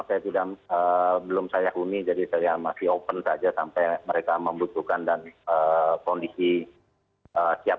saya belum saya huni jadi saya masih open saja sampai mereka membutuhkan dan kondisi siap